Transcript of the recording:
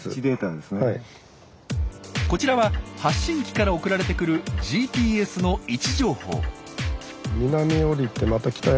こちらは発信機から送られてくるＧＰＳの位置情報。